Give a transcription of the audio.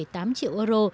hai tám triệu euro